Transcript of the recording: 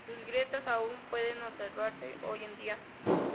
Sus grietas aún pueden observarse hoy en día.